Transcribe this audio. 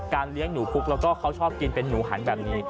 เลี้ยงหนูคุกแล้วก็เขาชอบกินเป็นหนูหันแบบนี้